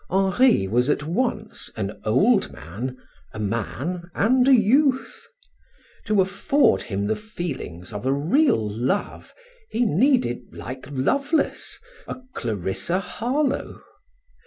Henri was at once an old man, a man, and a youth. To afford him the feelings of a real love, he needed like Lovelace, a Clarissa Harlowe.